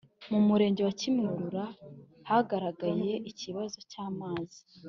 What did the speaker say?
Mumurenge wa kimihurura hagaragaye ikibazo cyamazi